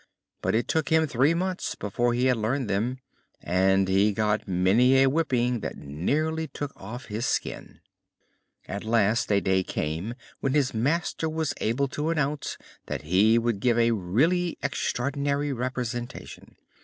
But it took him three months before he had learned them, and he got many a whipping that nearly took off his skin. At last a day came when his master was able to announce that he would give a really extraordinary representation.